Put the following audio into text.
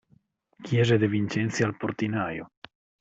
Chiese De Vincenzi al portinaio.